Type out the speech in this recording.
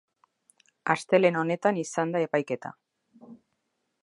Astelehen honetan izan da epaiketa.